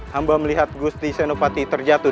hamba melihat gusti senopati terjatuh